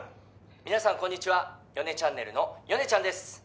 皆さんこんにちは米ちゃんねるの米ちゃんです